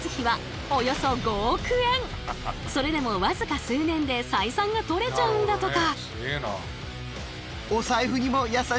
それでも僅か数年で採算がとれちゃうんだとか。